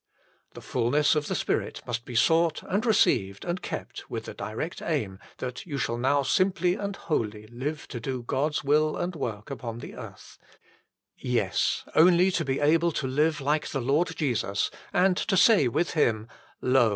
The fulness of the Spirit must be sought and received and kept with the direct aim that you shall now simply and wholly live to do God s will and work upon the earth, yes : only to be able to live like the Lord Jesus, and to say with Him :" Lo